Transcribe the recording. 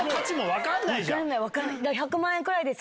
分かんない。